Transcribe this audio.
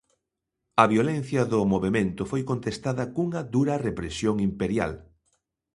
A violencia do movemento foi contestada cunha dura represión imperial.